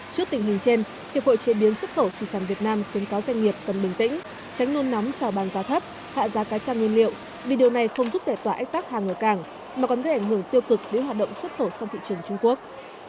trước tình hình trên hiệp hội chế biến xuất khẩu thủy sản việt nam khuyến cáo doanh nghiệp cần bình tĩnh tránh nôn nóng trào bán giá thấp hạ giá cá cha nguyên liệu vì điều này không giúp giải tỏa ách tắc hàng ở cảng mà còn gây ảnh hưởng tiêu cực đến hoạt động xuất khẩu sang thị trường trung quốc